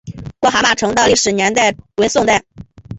郭蛤蟆城的历史年代为宋代。